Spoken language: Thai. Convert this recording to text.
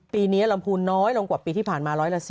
ปีนี้ลำภูลน้อยลงกว่าปีที่ผ่านมาร้อยละ๑๐